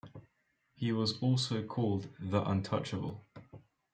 He was also called "The Untouchable".